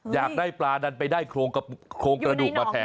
อยากได้ปลาดันไปได้โครงกระดูกมาแทน